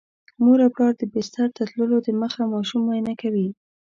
مور او پلار د بستر ته تللو دمخه ماشوم معاینه کوي.